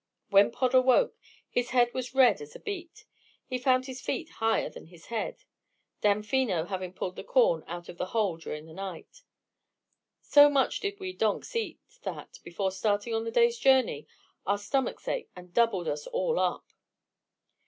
When Pod awoke, his head was red as a beet; he found his feet higher than his head, Damfino having pulled the corn out of the hole during the night. So much did we donks eat that, before starting on the day's journey, our stomachs ached and doubled us all up.